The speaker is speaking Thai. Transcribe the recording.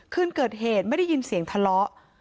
คืนเกิดเหตุไม่ได้ยินเสียงทะเลาะ